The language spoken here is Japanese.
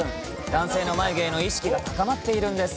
男性の眉毛への意識が高まっているんです。